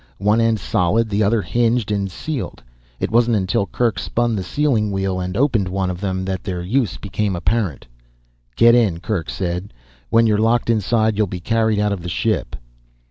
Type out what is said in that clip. One end solid, the other hinged and sealed. It wasn't until Kerk spun the sealing wheel and opened one of them that their use became apparent. "Get in," Kerk said. "When you're locked inside you'll be carried out of the ship."